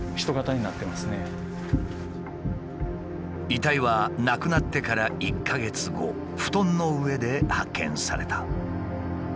遺体は亡くなってから１か月後布団の上で発見された。